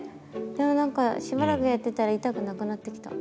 でも何かしばらくやってたら痛くなくなってきた。